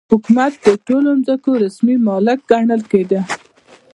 حکومت د ټولو ځمکو رسمي مالک ګڼل کېده.